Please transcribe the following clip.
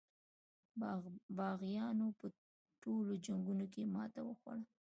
یاغیانو په ټولو جنګونو کې ماته وخوړه.